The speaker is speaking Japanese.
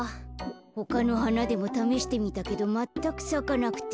ほかのはなでもためしてみたけどまったくさかなくて。